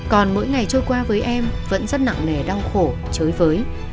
còn mỗi ngày trôi qua với em vẫn rất nặng nề đau khổ chới với